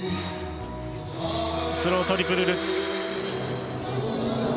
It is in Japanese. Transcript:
スロートリプルルッツ。